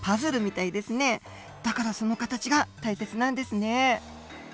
だからその形が大切なんですね。